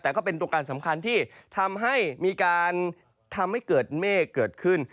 แต่เป็นตรงการสำคัญที่ทำให้มีการเมฆเกิดขึ้น